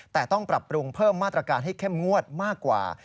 แต่ต้องปรับปรุงเพิ่มมาตรการให้เข้มงวดมากกว่า